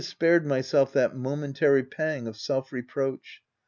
215 spared myself that momentary pang of self reproach.